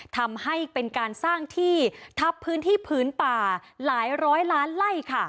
ทำให้เป็นการสร้างที่ทับพื้นที่พื้นป่าหลายร้อยล้านไล่ค่ะ